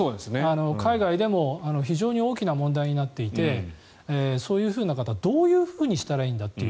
海外でも非常に大きな問題になっていてそういう方はどういうふうにしたらいいんだという。